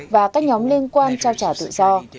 và các nhóm liên quan trao trả tự do